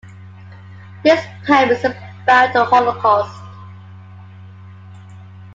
This poem is about the Holocaust.